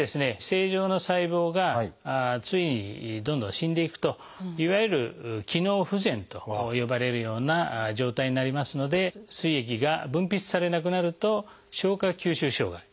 正常な細胞がついにどんどん死んでいくといわゆる「機能不全」と呼ばれるような状態になりますのですい液が分泌されなくなると消化吸収障害